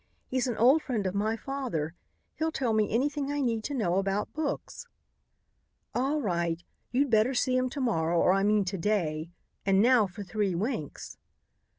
He's an old friend of my father. He'll tell me anything I need to know about books." "All right, you'd better see him to morrow, or I mean to day. And now for three winks."